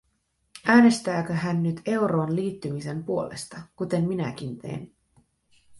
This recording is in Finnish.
Äänestääkö hän nyt euroon liittymisen puolesta, kuten minäkin teen?